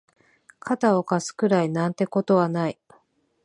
肩を貸すくらいなんてことはない